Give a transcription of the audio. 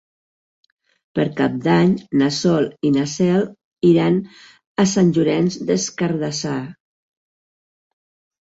Per Cap d'Any na Sol i na Cel iran a Sant Llorenç des Cardassar.